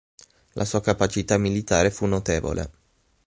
La sua capacità militare fu notevole.